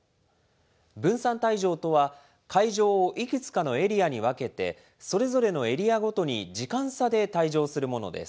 分散退場とは、会場をいくつかのエリアに分けて、それぞれのエリアごとに時間差で退場するものです。